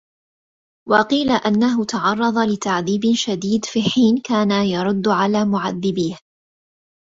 وقيل انه تعرض لتعذيب شديد في حين كان يرد على معذبيه